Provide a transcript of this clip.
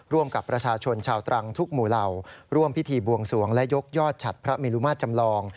ร่วมกับประชาชนชาวตรังทุกหมู่เหล่าร่วมพิธีบวงสวงและยกยอดฉัดพระเมลุมาตรจำลอง